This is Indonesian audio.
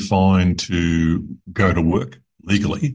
menuju kerja secara legal